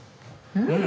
うん！